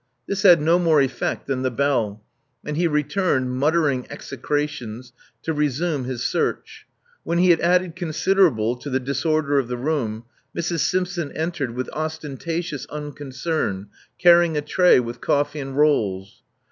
This had no more effect than the bell; and he returned, muttering execrations, to resume his search. When he had added consider able to the disorder of the room, Mrs. Simpson entered with ostentatious unconcern, carrying a tray with coffee and rolls.